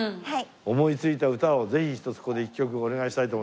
思いついた歌をぜひひとつここで一曲お願いしたいと思います。